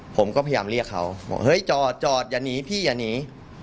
ผมก็พยายามเรียกเขาบอกเฮ้ยจอดจอดอย่าหนีพี่อย่าหนี